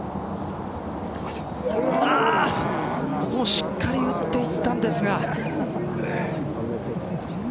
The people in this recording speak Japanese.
しっかり打っていったんですが。